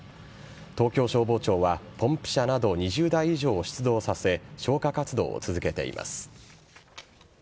東京消防庁は、ポンプ車など２０台以上を出動させ、消火活動を続けています。